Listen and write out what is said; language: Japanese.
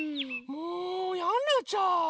もうやんなっちゃう！